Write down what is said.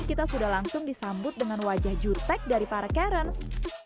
kita sudah langsung disambut dengan wajah jutek dari para karens